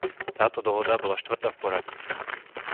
Táto dohoda bola štvrtá v poradí.